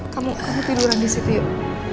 kamu kamu tiduran di situ yuk